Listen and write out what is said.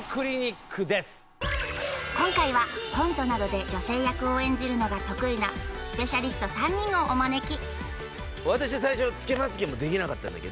今回はコントなどで女性役を演じるのが得意なスペシャリスト３人をお招き